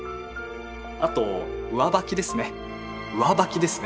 あと上履きですね。